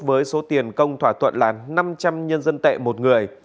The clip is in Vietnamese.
với số tiền công thỏa thuận là năm trăm linh nhân dân tệ một người